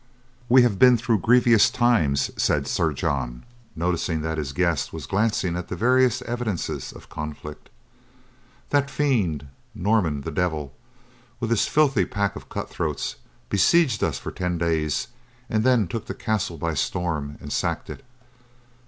"We have been through grievous times," said Sir John, noticing that his guest was glancing at the various evidences of conflict. "That fiend, Norman the Devil, with his filthy pack of cut throats, besieged us for ten days, and then took the castle by storm and sacked it.